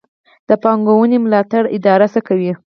د پانګونې ملاتړ اداره څه کوي؟